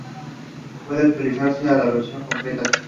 Puede actualizarse a la versión completa.